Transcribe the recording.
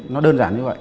nó đơn giản như vậy